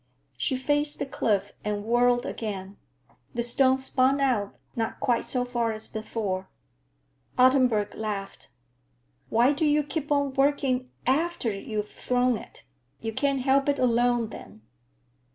She faced the cliff and whirled again. The stone spun out, not quite so far as before. Ottenburg laughed. "Why do you keep on working after you've thrown it? You can't help it along then."